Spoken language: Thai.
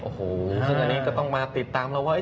โอ้โหซึ่งอันนี้ก็ต้องมาติดตามเราว่า